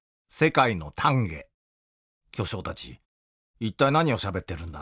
巨匠たち一体何をしゃべってるんだ？